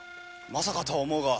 まさかとは思うが。